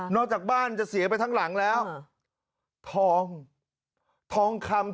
จากบ้านจะเสียไปทั้งหลังแล้วทองทองคำ